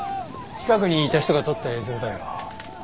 近くにいた人が撮った映像だよ。